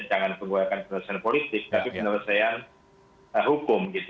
jangan menggunakan penyelesaian politik tapi penyelesaian hukum gitu